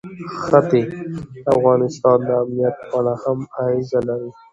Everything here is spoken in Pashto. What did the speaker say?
ښتې د افغانستان د امنیت په اړه هم اغېز لري.